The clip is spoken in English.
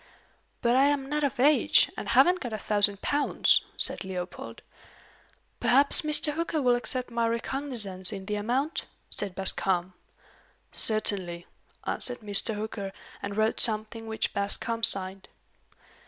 "But I am not of age, and haven't got a thousand pounds," said Leopold. "Perhaps Mr. Hooker will accept my recognizance in the amount?" said Bascombe. "Certainly," answered Mr. Hooker, and wrote something, which Bascombe signed.